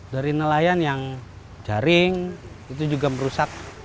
dari nelayan yang jaring itu juga merusak